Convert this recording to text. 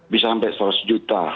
bisa sampai seratus juta